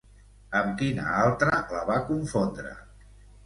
Amb quina altra la va confondre?